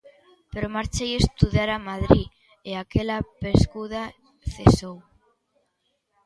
Pero marchei estudar a Madrid e aquela pescuda cesou.